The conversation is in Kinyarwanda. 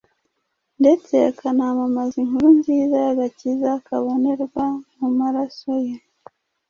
ndetse akanamamaza inkuru nziza y’agakiza kabonerwa mu maraso ye.